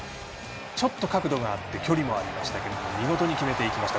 ちょっと角度があって距離もありましたが見事に決めていきました。